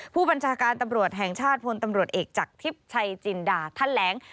ผู้บัญชาการตำรวจแห่งชาติพลตำรวจเอกจากทิพย์ชัยจินดาแถลง